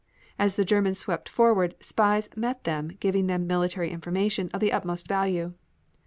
As the Germans swept forward, spies met them giving them military information of the utmost value.